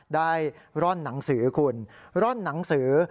ได้ร่อนหนังสือคุณร่อนหนังสือ